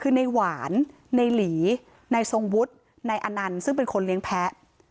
คือในหวานในหลีในทรงวุฒินายอนันต์ซึ่งเป็นคนเลี้ยงแพ้